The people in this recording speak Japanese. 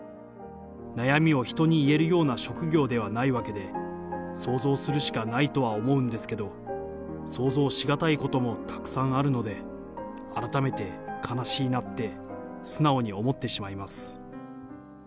悩みを人に言えるような職業ではないわけで、想像するしかないとは思うんですけど、想像し難いこともたくさんあるので、改めて悲しいなって、素直に思ってしまいます。